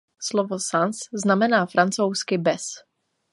Slovo "sans" znamená francouzsky "bez".